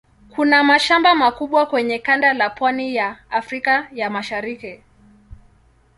Kuna mashamba makubwa kwenye kanda la pwani ya Afrika ya Mashariki.